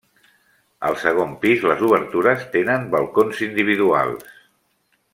Al segon pis les obertures tenen balcons individuals.